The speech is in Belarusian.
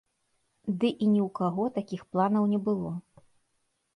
Ды і ні ў каго такіх планаў не было.